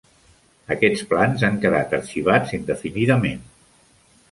Aquests plans han quedat arxivats indefinidament.